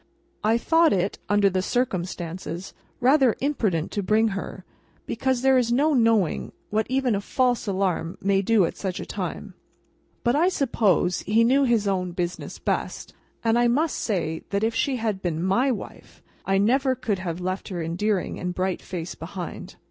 I thought it (under the circumstances) rather imprudent to bring her, because there is no knowing what even a false alarm may do at such a time; but I suppose he knew his own business best, and I must say that if she had been my wife, I never could have left her endearing and bright face behind.